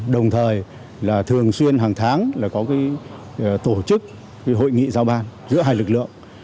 đồng thời là thường xuyên hàng tháng là có tổ chức hội nghị giao ban giữa hai lực lượng